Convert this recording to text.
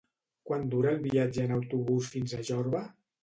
Quant dura el viatge en autobús fins a Jorba?